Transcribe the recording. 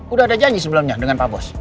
udah ada janji sebelumnya dengan pak bos